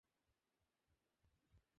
এ স্থানটিকে মাগারাতুদ দাম বলা হয়ে থাকে।